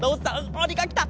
おにがきた！